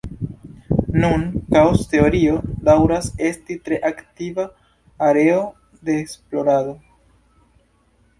Nun, kaos-teorio daŭras esti tre aktiva areo de esplorado.